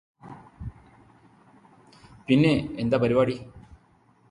പിന്നെ, എന്താ പരിപാടി?